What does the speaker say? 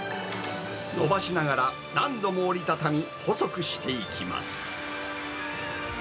延ばしながら何度も折り畳み、細くしていきます。